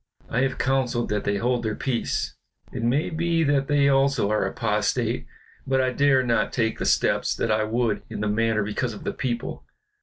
I have counseled that they hold their peace; it may be that they also are apostate, but I dare not take the steps that I would in the matter because of the people.